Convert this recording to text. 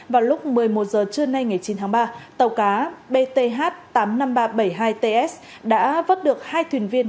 vào lúc một mươi một h trưa nay ngày chín tháng ba tàu cá bth tám mươi năm nghìn ba trăm bảy mươi hai ts đã vớt được hai thuyền viên